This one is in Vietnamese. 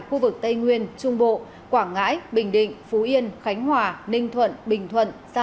khu vực tây nguyên trung bộ quảng ngãi bình định phú yên khánh hòa ninh thuận bình thuận